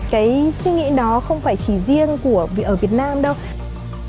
cái suy nghĩ đó không phải chỉ riêng của việt nam đâu